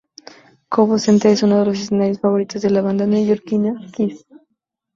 Cobo Center es uno de los escenarios favoritos de la banda neoyorkina Kiss.